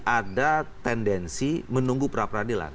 ada tendensi menunggu pra peradilan